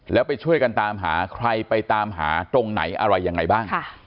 แล้วไปช่วยกันตามหาใครไปตามหาตรงไหนอะไรยังไงบ้าง